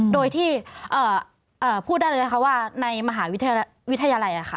โดยที่พูดได้เลยนะคะว่าในมหาวิทยาลัยค่ะ